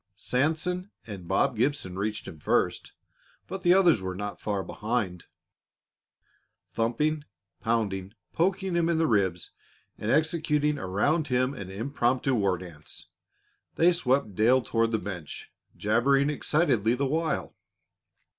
Sanson and Bob Gibson reached him first, but the others were not far behind. Thumping, pounding, poking him in the ribs and executing around him an impromptu war dance, they swept Dale toward the bench, jabbering excitedly the while.